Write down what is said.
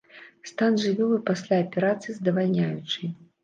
Стан жывёлы пасля аперацыі здавальняючы.